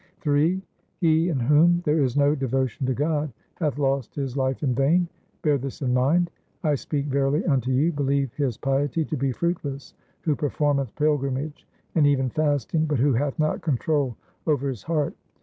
Ill He in whom there is no devotion to God, Hath lost his life in vain ; bear this in mind. I speak verily unto you ; believe his piety to be fruitless Who performeth pilgrimage and even fasting, but who hath not control over his heart.